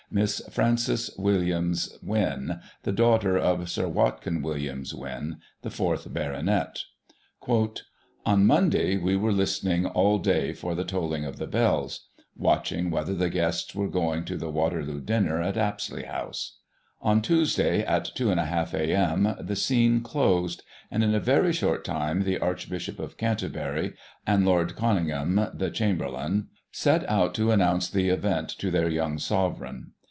Miss Frances Williams Wynn, the daughter of Sir Watkin Williams Wynn (the fourth baronet) : "On Monday we were listening all day for the tolling of the bells, watching whether the guests were going to the Waterloo dinner at Apsley House. On Tuesday, at 2^ Digiti ized by Google 2. .....•:.•.••:::/. jGOSSIP. [1837 /•%::• s .• 2 ••••. aum., the scene closed, and in a very short time the Archbishop of Canterbury and Lord Conyngham, the Chamberlain, set out to announce the event to their young Sovereign.